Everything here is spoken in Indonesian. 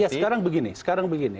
ya sekarang begini